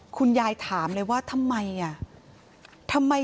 นึกถึงทีไรน้ำตาไหลตลอดเลย